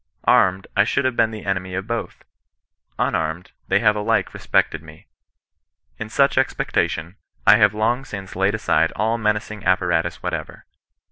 Armed, I should have been the enemy of both ; unarmed, they have alike respected me. In such expectation, I have long since laid aside all menacing apparatus whatever.